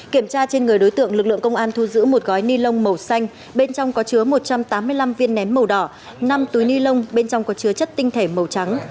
kiểm tra trên người đối tượng lực lượng công an thu giữ một gói ni lông màu xanh bên trong có chứa một trăm tám mươi năm viên nén màu đỏ năm túi ni lông bên trong có chứa chất tinh thể màu trắng